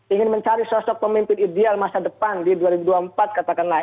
ingin mencari sosok pemimpin ideal masa depan di dua ribu dua puluh empat katakanlah